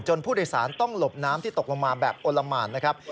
ผู้โดยสารต้องหลบน้ำที่ตกลงมาแบบโอละหมานนะครับ